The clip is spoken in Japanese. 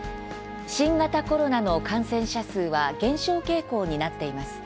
新型コロナの感染者数は減少傾向になっています。